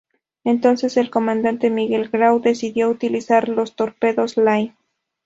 Entonces el comandante Miguel Grau decidió utilizar los torpedos "Lay".